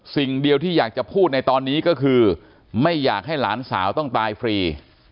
สิ่งเดียวที่อยากจะพูดในตอนนี้ก็คือไม่อยากให้หลานสาวต้องตายฟรี